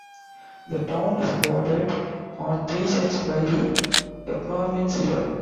The town is bordered on three sides by the eponymous river.